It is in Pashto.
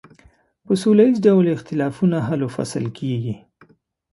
په سوله ایز ډول اختلافونه حل و فصل کیږي.